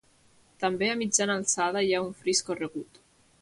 També a mitjana alçada hi ha un fris corregut.